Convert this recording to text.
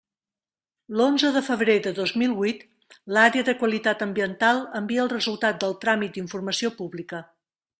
L'onze de febrer de dos mil huit l'Àrea de Qualitat Ambiental envia el resultat del tràmit d'informació pública.